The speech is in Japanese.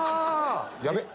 ヤベっ。